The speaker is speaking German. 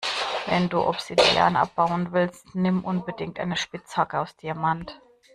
Wenn du Obsidian abbauen willst, nimm unbedingt eine Spitzhacke aus Diamant.